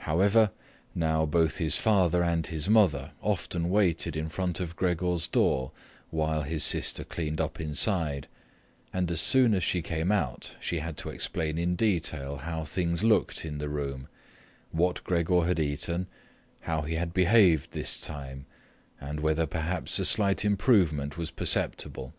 However, now both his father and his mother often waited in front of Gregor's door while his sister cleaned up inside, and as soon as she came out, she had to explain in detail how things looked in the room, what Gregor had eaten, how he had behaved this time, and whether perhaps a slight improvement was perceptible.